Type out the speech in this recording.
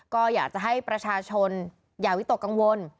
ก็อยากจะให้ประชาชนอย่าวิตกกังวล